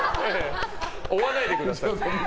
追わないでください。